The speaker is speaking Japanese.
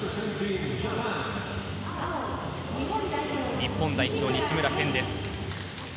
日本代表、西村拳です。